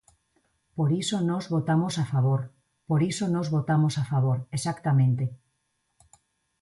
Por iso nós votamos a favor Por iso nós votamos a favor, exactamente.